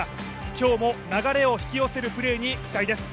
今日も流れを引き寄せるプレーに期待です。